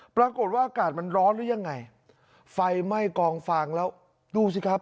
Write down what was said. ปรากฏว่าอากาศมันร้อนหรือยังไงไฟไหม้กองฟางแล้วดูสิครับ